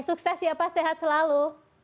sukses ya pak sehat selalu